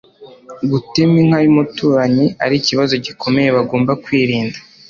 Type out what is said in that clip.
gutema inka y'umuturanyi ari ikibazo gikomeye bagomba kwirinda